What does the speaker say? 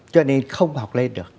cho nên không học lên được